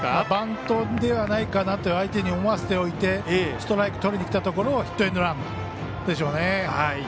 バントではないと相手に思わせておいてストライクとりにきたところをヒットエンドランでしょうね。